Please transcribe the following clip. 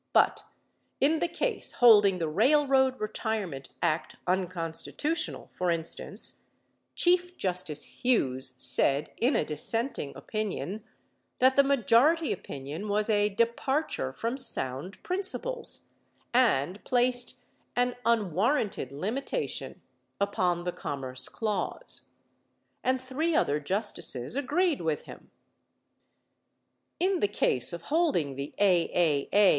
But in the case holding the Railroad Retirement Act unconstitutional, for instance, Chief Justice Hughes said in a dissenting opinion that the majority opinion was "a departure from sound principles," and placed "an unwarranted limitation upon the commerce clause." And three other justices agreed with him. In the case of holding the A.A.A.